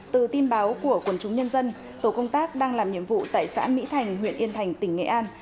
từ tin báo của quần chúng nhân dân tổ công tác đang làm nhiệm vụ tại xã mỹ thành huyện yên thành tỉnh nghệ an